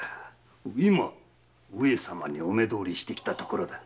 今上様にお目通りしてきたところだ。